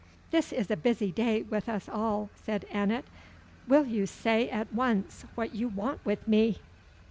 "This is a busy day with us all," said Annot; "will you say at once what you want with me?"